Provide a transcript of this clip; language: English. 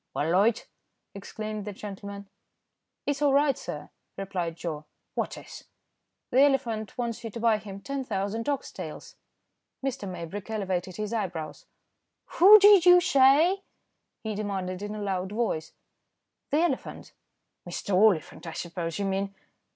"Well, Loyd," exclaimed that gentleman. "It's all right, sir," replied Joe. "What is?" "The elephant wants you to buy him 10,000 ox tails." Mr. Maybrick elevated his eyebrows. "Who did you say?" he demanded in a loud voice. "The elephant." "Mr. Oliphant, I suppose you mean."